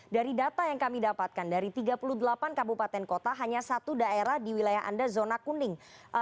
dari data yang kami dapatkan dari tiga puluh delapan kabupaten kota hanya satu daerah di wilayah anda zona kuning